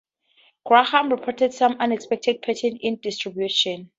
Graham reported some unexpected patterns in distributions.